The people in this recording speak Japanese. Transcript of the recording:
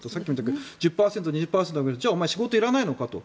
１０％、２０％上げるじゃあお前仕事いらないのかと。